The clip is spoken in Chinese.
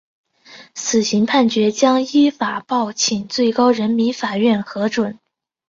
死刑判决将依法报请最高人民法院核准。